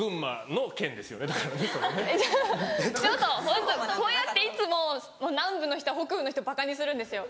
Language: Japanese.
ホントこうやっていつも南部の人は北部の人ばかにするんですよ。